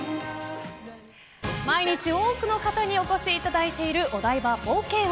毎日多くの方にお越しいただいているお台場冒険王。